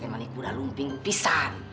ya lah ini kuda luping pisang